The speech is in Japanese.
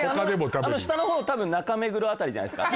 あの下の方多分中目黒辺りじゃないですか？